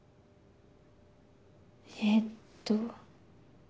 えっと。